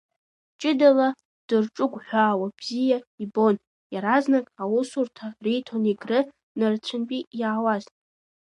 Ҷыдала дырҿыгәҳәаауа бзиа ибон, иаразнак аусурҭа риҭон Егры нырцәынтәи иаауаз.